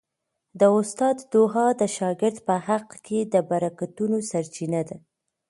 د استاد دعا د شاګرد په حق کي د برکتونو سرچینه ده.